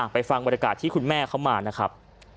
ฟังบรรยากาศที่คุณแม่เขามานะครับ